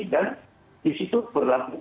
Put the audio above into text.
dan disitu berlaku